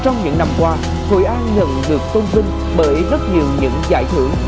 trong những năm qua hội an nhận được tôn vinh bởi rất nhiều những giải thưởng